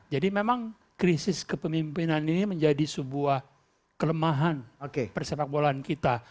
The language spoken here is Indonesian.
jadi memang krisis kepemimpinan ini menjadi sebuah kelemahan persepak bola kita